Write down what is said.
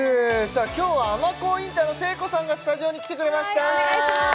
今日は尼神インターの誠子さんがスタジオに来てくれましたお願いします